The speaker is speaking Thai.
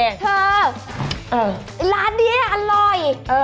เธอร้านนี้อร่อย